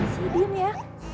sini diam ya